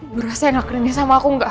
berosa yang lakuin ini sama aku enggak